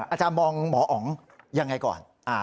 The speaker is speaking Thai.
อาจารย์มองหมออ๋องยังไงก่อน